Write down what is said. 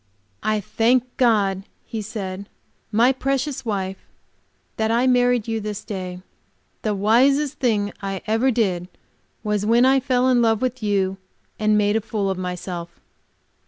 "I thank God," he said, "my precious wife, that I married you this day. The wisest thing I ever did was when I fell in love with you and made a fool of myself!"